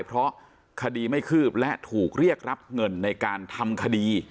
เพราะคดีไม่คืบและถูกเรียกรับเงินในการทำคดี